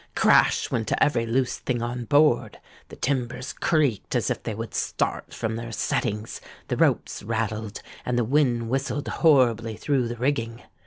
Crash went every loose thing on board,—the timbers creaked as if they would start from their settings,—the ropes rattled,—and the wind whistled horribly through the rigging.